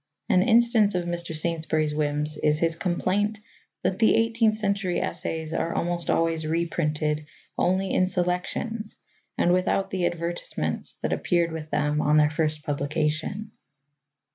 An instance of Mr. Saintsbury's whims is his complaint that the eighteenth century essays are almost always reprinted only in selections and without the advertisements that appeared with them on their first publication.